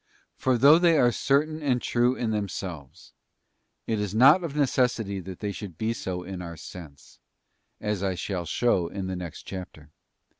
For though they are certain and true in themselves, it is not of necessity that they should be so in our sense, as I shall show in the next chapter.